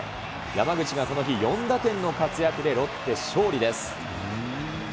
山口がこの日、４打点の活躍で、ロッテ勝利です。